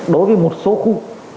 đối với một số khu